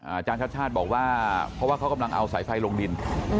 อาจารย์ชาติชาติบอกว่าเพราะว่าเขากำลังเอาสายไฟลงดิน